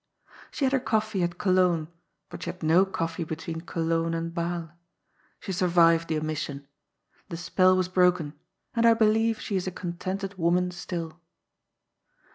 She had her coffee at Cologne, but she had no coffee between Cologne and Bdle. She survived the omission. The spell was broken, and I believe she is a contented woman still.